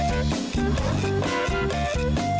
โอเค